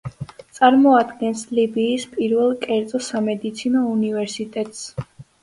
წარმოადგენს ლიბიის პირველ კერძო სამედიცინო უნივერსიტეტს.